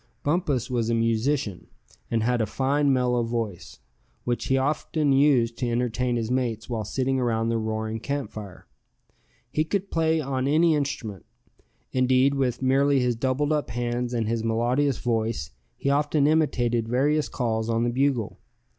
Bumpus was a musician, and had a fine mellow voice, which he often used to entertain his mates while sitting around the roaring camp fire. He could play on any instrument; indeed, with merely his doubled up hands, and his melodious voice, he often imitated various calls on the bugle.